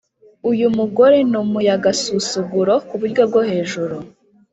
Uyumugore numuyagasusuguro kuburyo bwohejuru